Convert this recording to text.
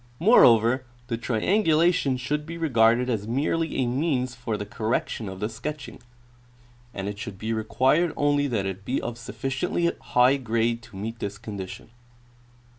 Moreover, the triangulation should be regarded as merely a means for the correction of the sketching, and it should be required only that it be of sufficiently high grade to meet this condition.